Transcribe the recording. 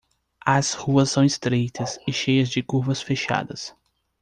As ruas são estreitas e cheias de curvas fechadas.